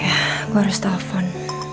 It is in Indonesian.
yah gue harus telfon